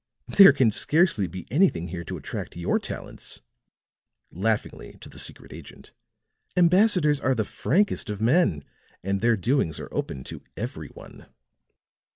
"There can scarcely be anything here to attract your talents," laughingly to the secret agent. "Ambassadors are the frankest of men, and their doings are open to every one."